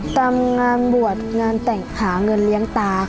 ทำงานบวชงานแต่งหาเงินเลี้ยงตา